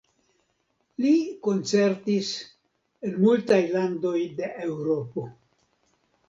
Li koncertis en multaj landoj de Eŭropo.